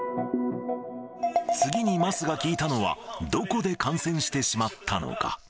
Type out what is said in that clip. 次に桝が聞いたのは、どこで感染してしまったのか。